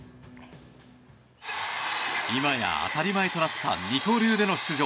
今や当たり前となった二刀流での出場。